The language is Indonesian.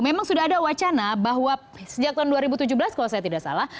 memang sudah ada wacana bahwa sejak tahun dua ribu tujuh belas kalau saya tidak salah